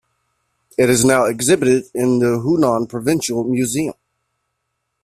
It is now exhibited in the Hunan Provincial Museum.